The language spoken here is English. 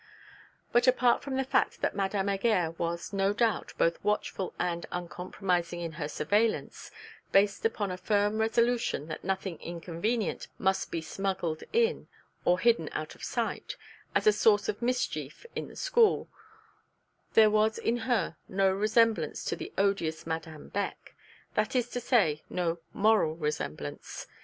But, apart from the fact that Madame Heger was, no doubt, both watchful and uncompromising in her surveillance, based upon a firm resolution that nothing 'inconvenient' must be smuggled in, or hidden out of sight, as a source of mischief in the school, there was in her no resemblance to the odious Madame Beck; that is to say, no moral resemblance.